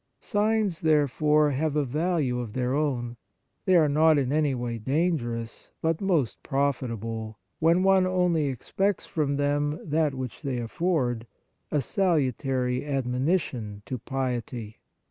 Signs, therefore, have a value of their own ; they are not in any way dangerous, but most profitable, when one only expects from them that which they afford a salutary admonition to piety.